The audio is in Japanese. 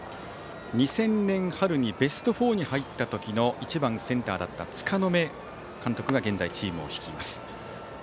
２０００年春にベスト４に入った時の１番、センターだった柄目監督が現在、チームを率います。